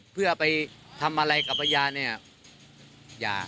เพื่อไปทำอะไรกับภรรยาเนี่ย